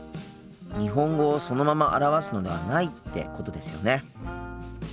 日本語をそのまま表すのではないってことですよね？